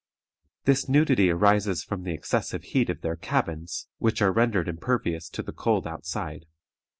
This nudity arises from the excessive heat of their cabins, which are rendered impervious to the cold outside.